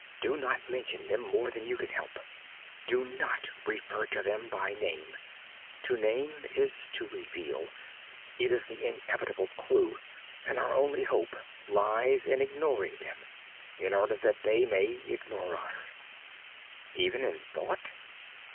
"Do not mention them more than you can help. Do not refer to them by name. To name is to reveal; it is the inevitable clue, and our only hope lies in ignoring them, in order that they may ignore us." "Even in thought?"